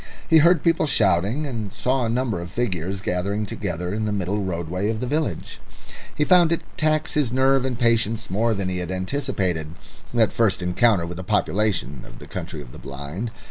He heard people shouting, and saw a number of figures gathering together in the middle roadway of the village. He found it tax his nerve and patience more than he had anticipated, that first encounter with the population of the Country of the Blind.